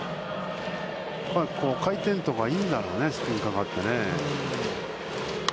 回転とか、いいんだろうな、スピンがかかってね。